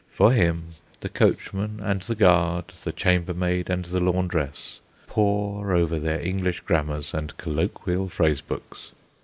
For him the coachman and the guard, the chambermaid and the laundress, pore over their English grammars and colloquial phrase books.